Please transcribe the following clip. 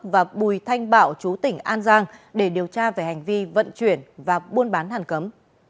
và bùi thanh bảo chú tỉnh an giang để điều tra về hành vi vận chuyển và buôn bán hàn cấm